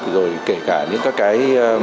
rồi kể cả những cái